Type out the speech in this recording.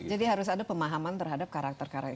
jadi harus ada pemahaman terhadap karakter karakter